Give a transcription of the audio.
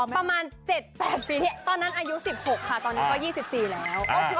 ประมาณ๗๘ปีตอนนั้นอายุ๑๖ค่ะตอนนี้ก็๒๔แล้ว